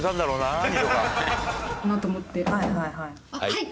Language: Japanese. はい！